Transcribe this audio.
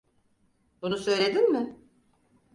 Bunu söyledin mi?